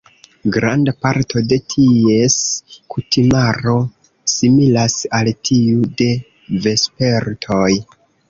Granda parto de ties kutimaro similas al tiu de vespertoj.